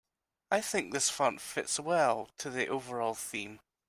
I think this font fits well to the overall theme.